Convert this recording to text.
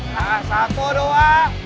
nah satu dua